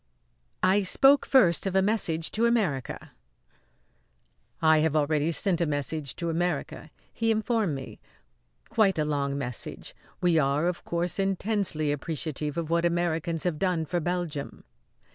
I spoke first of a message to America. "I have already sent a message to America," he informed me; "quite a long message. We are, of course, intensely appreciative of what Americans have done for Belgium."